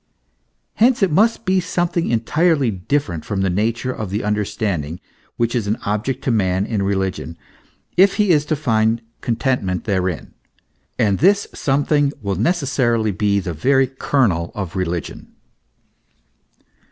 Hence it must be something entirely different from the nature of the understanding which is an object to man in religion, if he is to find contentment therein, and this something will neces sarily be the very kernel of religion.